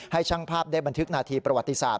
ช่างภาพได้บันทึกนาทีประวัติศาสต